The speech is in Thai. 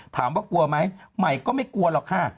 ถามว่ากลัวไหมไหมก็ไม่กลัวหรอกค่ะ